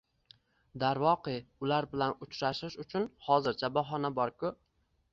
Darvoqe, ular bilan uchrashish uchun hozircha bahona bor-ku